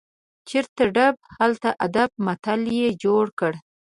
چیرته ډب، هلته ادب متل یې جوړ کړ.